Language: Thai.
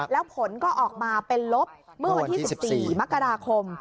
แล้วผลก็ออกมาเป็นลบเมื่อวันที่๑๔มกราคม